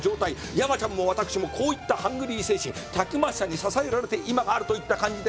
山ちゃんも私もこういったハングリー精神たくましさに支えられて今があるといった感じであります。